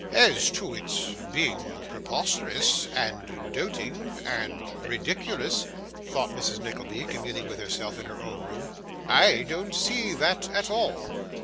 'As to its being preposterous, and doting, and ridiculous,' thought Mrs Nickleby, communing with herself in her own room, 'I don't see that, at all.